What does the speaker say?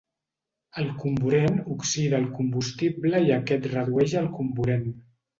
El comburent oxida el combustible i aquest redueix el comburent.